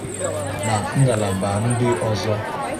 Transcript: nà ngalaba ndị ọzọ